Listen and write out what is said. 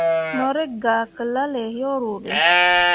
Mo rǝkʼgah ke lalle yo ruuɓe.